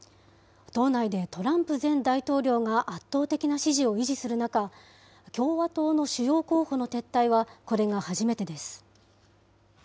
党内でトランプ前大統領が圧倒的な支持を維持する中、共和党の主要候補の撤退は、これが初めてです。